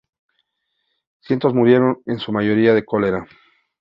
Cientos murieron, en su mayoría de cólera.